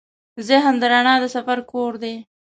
ذهن د رڼا د سفر کور دی.